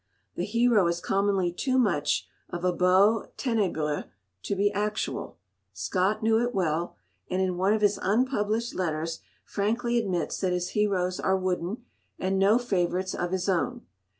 The hero is commonly too much of a beau ténébreux to be actual; Scott knew it well, and in one of his unpublished letters frankly admits that his heroes are wooden, and no favourites of his own.